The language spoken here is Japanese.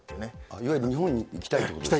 いわゆる日本に行きたいと。